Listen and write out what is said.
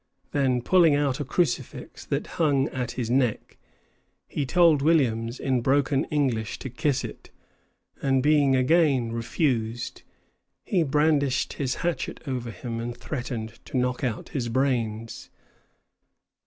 Then, pulling out a crucifix that hung at his neck, he told Williams in broken English to kiss it; and being again refused, he brandished his hatchet over him and threatened to knock out his brains.